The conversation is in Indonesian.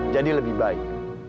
jadi lebih baik